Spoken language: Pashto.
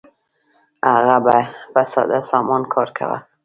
هغه به په ساده سامان کار کاوه.